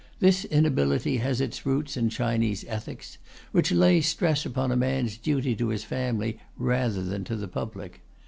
This inability has its roots in Chinese ethics, which lay stress upon a man's duty to his family rather than to the public.